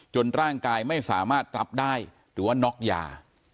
ร่างกายไม่สามารถรับได้หรือว่าน็อกยา